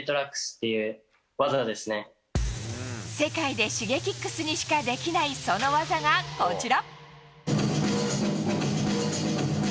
世界でＳｈｉｇｅｋｉｘにしかできない、その技がこちら。